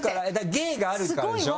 芸があるからでしょ？